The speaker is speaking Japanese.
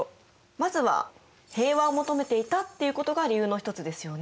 まずは平和を求めていたっていうことが理由の一つですよね。